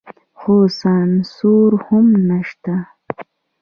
خو سانسور هم شته.